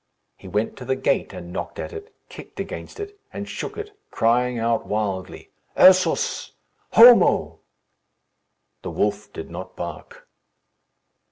He went to the gate and knocked at it, kicked against it, and shook it, crying out wildly, "Ursus! Homo!" The wolf did not bark.